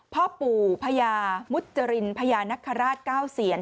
พ่อปู่พญามุจรินพญานคราช๙เสียน